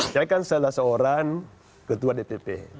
saya kan salah seorang ketua dpp